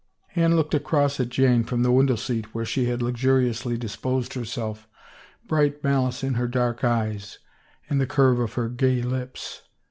" Anne looked across at Jane from the window seat where she had luxuriously disposed herself, bright mal ice in her dark eyes, in the curve of her gay lips.